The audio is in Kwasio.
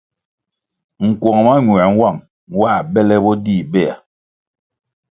Nkwong mañuē nwang nwā bele bo dih béa.